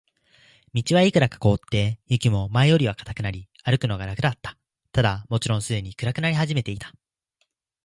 道はいくらか凍って、雪も前よりは固くなり、歩くのが楽だった。ただ、もちろんすでに暗くなり始めていた。